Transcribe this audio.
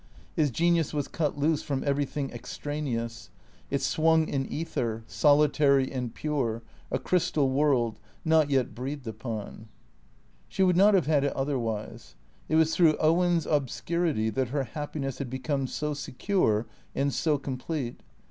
His genius was cut loose from everything extraneous. It swung in ether, solitary and pure, a crystal world, not yet breathed upon. She would not have had it otherwise. It was through Owen's obscurity that her happiness had become so secure and so com plete.